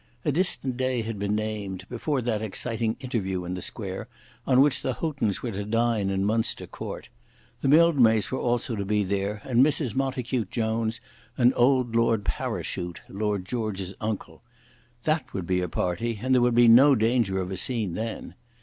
A distant day had been named, before that exciting interview in the square, on which the Houghtons were to dine in Munster Court. The Mildmays were also to be there, and Mrs. Montacute Jones, and old Lord Parachute, Lord George's uncle. That would be a party, and there would be no danger of a scene then.